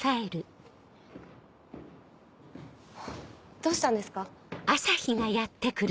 どうしたんですか？